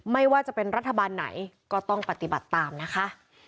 ไม่ว่าจะเป็นรัฐบาลไหนก็ต้องปฏิบัติตามนะคะ